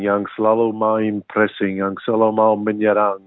yang selalu main pressing yang selalu mau menyerang